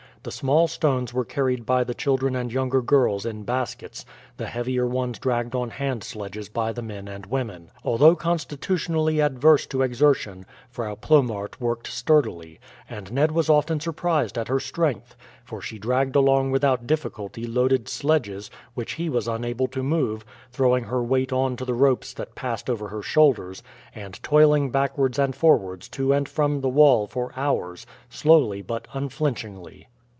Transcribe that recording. The small stones were carried by the children and younger girls in baskets, the heavier ones dragged on hand sledges by the men and women. Although constitutionally adverse to exertion, Frau Plomaert worked sturdily, and Ned was often surprised at her strength; for she dragged along without difficulty loaded sledges, which he was unable to move, throwing her weight on to the ropes that passed over her shoulders, and toiling backwards and forwards to and from the wall for hours, slowly but unflinchingly.